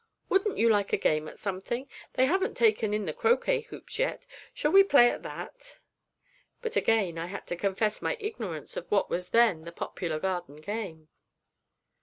Wouldn't you like a game at something? They haven't taken in the croquet hoops yet; shall we play at that?' But again I had to confess my ignorance of what was then the popular garden game.